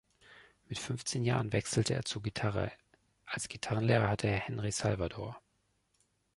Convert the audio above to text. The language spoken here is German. Mit fünfzehn Jahren wechselte er zur Gitarre; als Gitarrenlehrer hatte er Henri Salvador.